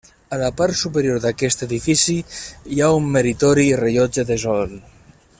A la part superior d'aquest edifici hi ha un meritori rellotge de sol.